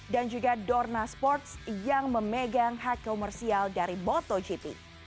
dan juga dorna sports yang memegang hak komersial dari motogp